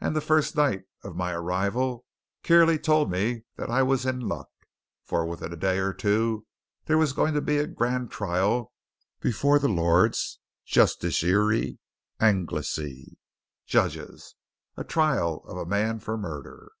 And the first night of my arrival Kierley told me that I was in luck, for within a day or two there was going to be a grand trial before the Lords Justiciar Anglicé, judges. A trial of a man for murder!"